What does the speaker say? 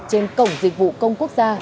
trên cổng dịch vụ công quốc gia